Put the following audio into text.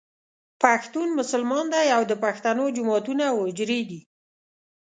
پښتون مسلمان دی او د پښتنو جوماتونه او حجرې دي.